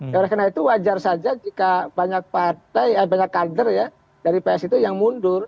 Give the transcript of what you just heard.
ya karena itu wajar saja jika banyak kader ya dari psi itu yang mundur